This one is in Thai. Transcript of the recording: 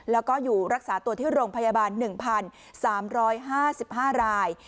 แล้วก็อยู่รักษาตัวที่โรงพยาบาล๑๓๕๕ราย